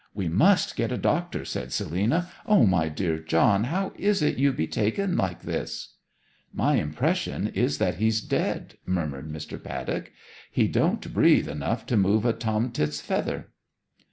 'We must get a doctor,' said Selina. 'O, my dear John, how is it you be taken like this?' 'My impression is that he's dead!' murmured Mr. Paddock. 'He don't breathe enough to move a tomtit's feather.'